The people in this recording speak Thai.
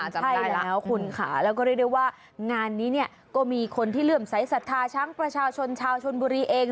ใช่แล้วคุณค่ะแล้วก็เรียกได้ว่างานนี้เนี่ยก็มีคนที่เลื่อมใสสัทธาช้างประชาชนชาวชนบุรีเอง